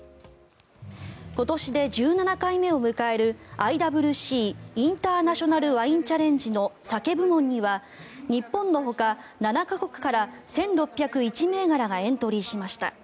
今年で１７回目を迎えるＩＷＣ＝インターナショナル・ワイン・チャレンジのＳＡＫＥ部門には日本のほか７か国から１６０１銘柄がエントリーしました。